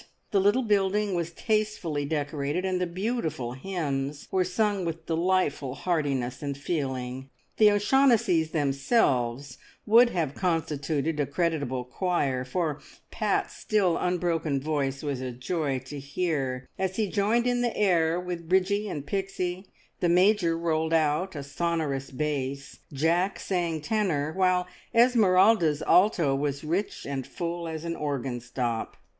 The little building was tastefully decorated, and the beautiful hymns were sung with delightful heartiness and feeling. The O'Shaughnessys themselves would have constituted a creditable choir, for Pat's still unbroken voice was a joy to hear as he joined in the air with Bridgie and Pixie, the Major rolled out a sonorous bass, Jack sang tenor, while Esmeralda's alto was rich and full as an organ stop.